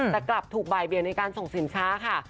แต่กลับถูกบ่ายเบียงในการส่งสินค้าค่ะ